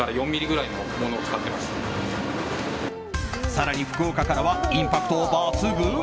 更に福岡からはインパクト抜群。